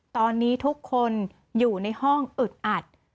ตอนนี้ทุกคนอยู่ในห้องอึดอัด